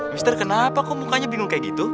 mr kenapa kok mukanya bingung kayak gitu